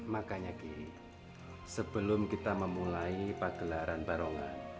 makanya gini sebelum kita memulai pagelaran barongan